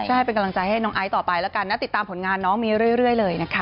ใช่เป็นกำลังใจให้น้องไอซ์ต่อไปแล้วกันนะติดตามผลงานน้องมีเรื่อยเลยนะคะ